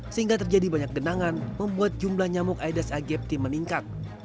sehingga terjadi banyak genangan membuat jumlah nyamuk aedes aegypti meningkat